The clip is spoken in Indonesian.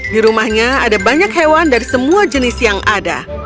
di rumahnya ada banyak hewan dari semua jenis yang ada